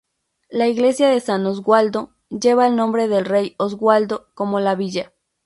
La Iglesia de San Oswaldo lleva el nombre del Rey Oswaldo, como la villa.